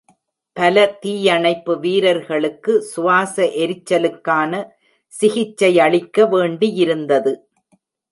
பல தீயணைப்பு வீரர்களுக்கு சுவாச எரிச்சலுக்கான சிகிச்சையளிக்க வேண்டியிருந்தது.